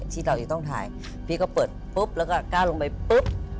ที่เราจะต้องถ่ายพี่ก็เปิดปุ๊บแล้วก็กล้าลงไปปุ๊บ